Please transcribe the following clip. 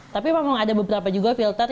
tapi memang ada beberapa juga filter